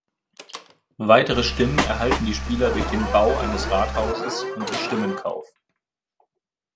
Weitere Stimmen erhalten die Spieler durch den Bau eines Rathauses und den Stimmenkauf.